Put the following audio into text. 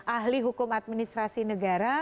ahli hukum administrasi negara